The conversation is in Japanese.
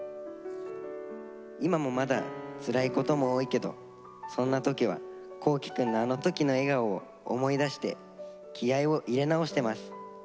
今もまだつらいことも多いけどそんな時は皇輝くんのあの時の笑顔を思い出して気合いを入れ直してます。